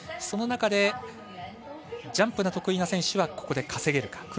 その中でジャンプが得意な選手はここで稼げるか。